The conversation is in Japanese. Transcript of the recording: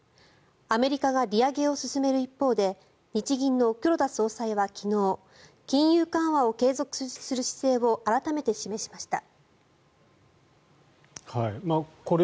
アメリカが利上げを進める一方で日銀の黒田総裁は昨日金融緩和を継続する姿勢を改めて示しました。